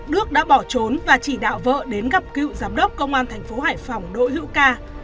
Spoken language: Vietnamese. đức đã bỏ trốn và chỉ đạo vợ đến gặp cựu giám đốc công an thành phố hải phòng đỗ hữu ca